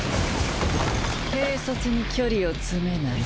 軽率に距離を詰めない。